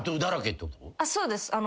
そうです。